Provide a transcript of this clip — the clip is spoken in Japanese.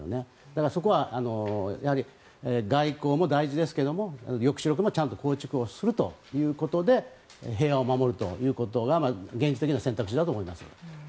そこは外交も大事ですけど抑止力も構築するということで平和を守るというのが現実的な選択肢だと思います。